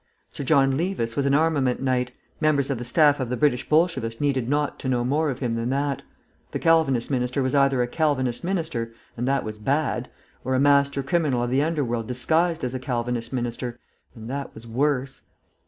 Sir John Levis was an armament knight: members of the staff of the British Bolshevist needed not to know more of him than that: the Calvinist minister was either a Calvinist minister, and that was bad, or a master criminal of the underworld disguised as a Calvinist minister, and that was worse.